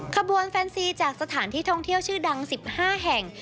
ขบวนแฟนซีจากสถานที่ท่องเที่ยวชื่อดัง๑๕แห่ง